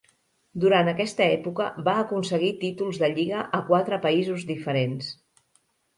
Durant aquesta època, va aconseguir títols de lliga a quatre països diferents.